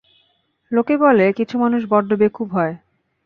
লোকে বলে কিছু মানুষ বড্ড বেকুব হয়।